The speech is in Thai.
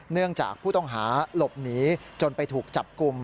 เนื่องจากผู้ต้องหาหลบหนีจนไปถูกจับกลุ่ม